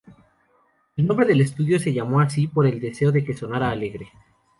El nombre del estudio se llamó así por el deseo de que "sonara alegre".